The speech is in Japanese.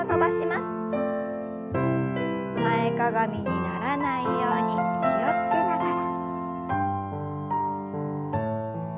前かがみにならないように気を付けながら。